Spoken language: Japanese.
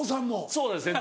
そうですね